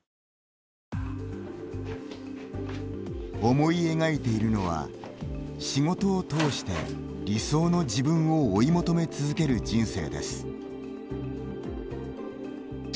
思い描いているのは仕事を通して理想の自分を追い求め続ける人生です。